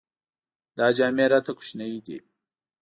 دا جامې راته کوچنۍ دي.